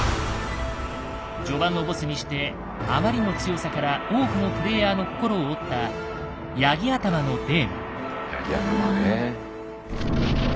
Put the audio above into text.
序盤のボスにしてあまりの強さから多くのプレイヤーの心を折った山羊頭ね。